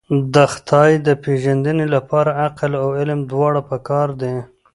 د خدای د پېژندنې لپاره عقل او علم دواړه پکار دي.